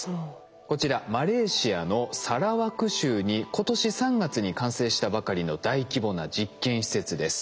こちらマレーシアのサラワク州に今年３月に完成したばかりの大規模な実験施設です。